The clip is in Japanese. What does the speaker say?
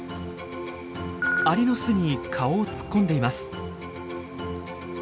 アリの巣に顔を突っ込んでいます。